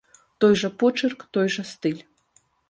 Той жа почырк, той жа стыль.